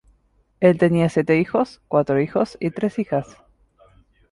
Él tenía siete hijos, cuatro hijos y tres hijas.